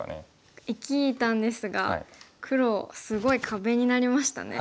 生きたんですが黒すごい壁になりましたね。